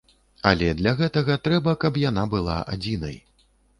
Але для гэтага трэба, каб яна была адзінай.